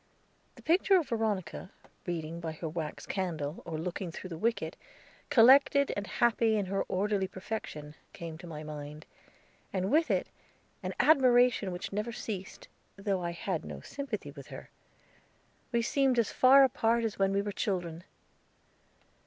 The picture of Veronica, reading by her wax candle, or looking through the wicket, collected and happy in her orderly perfection, came into my mind, and with it an admiration which never ceased, though I had no sympathy with her. We seemed as far apart as when we were children.